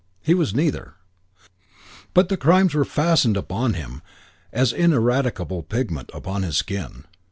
He was neither; but the crimes were fastened upon him as ineradicable pigment upon his skin.